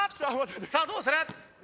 さあどうする？